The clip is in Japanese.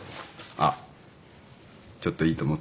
あっちょっといいと思った？